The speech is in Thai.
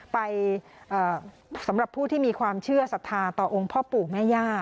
สำหรับผู้ที่มีความเชื่อศรัทธาต่อองค์พ่อปู่แม่ย่า